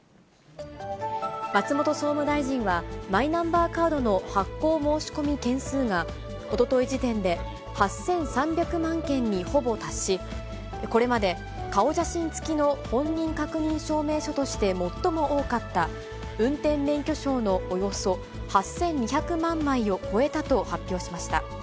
松本総務大臣は、マイナンバーカードの発行申し込み件数が、おととい時点で８３００万件にほぼ達し、これまで顔写真つきの本人確認証明書として最も多かった、運転免許証のおよそ８２００万枚を超えたと発表しました。